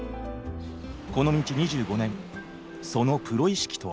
この道２５年そのプロ意識とは？